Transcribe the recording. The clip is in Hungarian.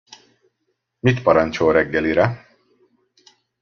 Mit parancsol reggelire?